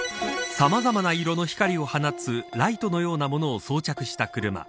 さまざまな色の光を放つライトのようなものを装着した車。